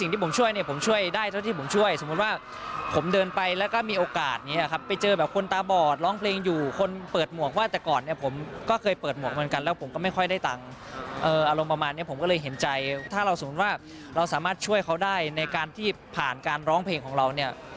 ถ้าเราสมมุติว่าเราสามารถช่วยเขาได้ในการที่ผ่านการร้องเพลงของเราเนี่ย